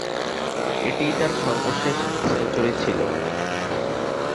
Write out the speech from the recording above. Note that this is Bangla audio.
এটিই তার সর্বশেষ সেঞ্চুরি ছিল।